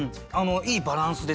いいバランスですよね。